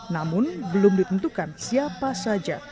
namun belum ditentukan siapa saja